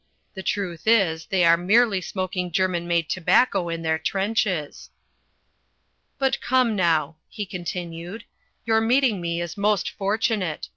The truth is they are merely smoking German made tobacco in their trenches." "But come now," he continued, "your meeting me is most fortunate.